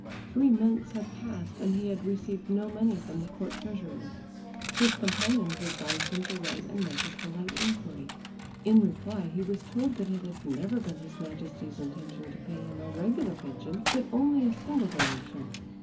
Three months had passed and he had received no money from the court treasurer. His companions advised him to write and make a polite inquiry. In reply he was told that it had never been his Majesty's intention to pay him a regular pension, but only a single donation.